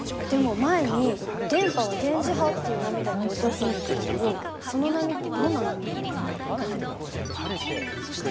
でも前に電波は電磁波っていう波だってお父さん言ってたけどその波ってどんな波なの？